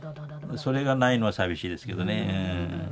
それがないのは寂しいですけどね。